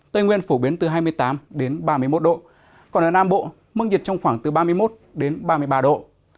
tây nguyên phổ biến từ hai mươi tám ba mươi một độ còn ở nam bộ mức nhiệt trong khoảng từ ba mươi một đến ba mươi ba độ